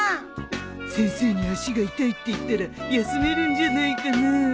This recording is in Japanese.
先生に足が痛いって言ったら休めるんじゃないかな